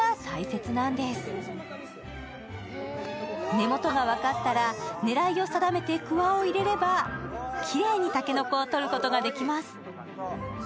根元が分かったら狙いを定めてくわを入れればきれいに竹の子をとることができます。